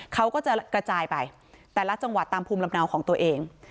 เขาก็จะกระจายไปแต่ละจังหวัดตามภูมิลำเนาของตัวเอง